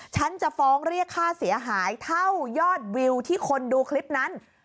ฉันจะฟ้องเรียกค่าเสียหายเท่ายอดวิวที่คนดูคลิปนั้น